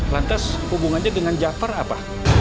lantas hubungannya dengan jafar apa